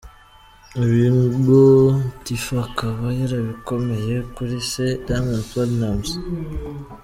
Ibi ngo Tiffa akaba yarabikomoye kuri se Diamond Platnumz.